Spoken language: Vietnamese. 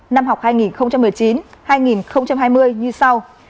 năm học hai nghìn một mươi chín hai nghìn hai mươi như sau